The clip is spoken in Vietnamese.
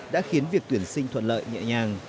đã khiến việc tuyển sinh thuận lợi nhẹ nhàng